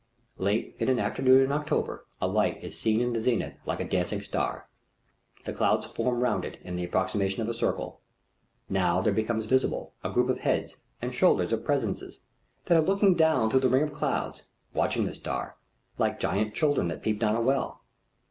Late in an afternoon in October, a light is seen in the zenith like a dancing star. The clouds form round it in the approximation of a circle. Now there becomes visible a group of heads and shoulders of presences that are looking down through the ring of clouds, watching the star, like giant children that peep down a well.